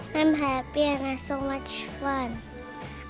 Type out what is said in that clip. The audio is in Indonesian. saya senang dan sangat menyenangkan